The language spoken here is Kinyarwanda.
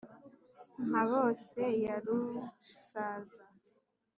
mpabose ya rusaza